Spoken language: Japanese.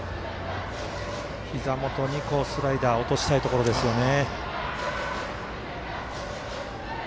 ひざ元にスライダー落としたいところですよね。